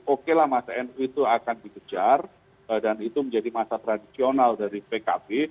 oke lah masa nu itu akan dikejar dan itu menjadi masa tradisional dari pkp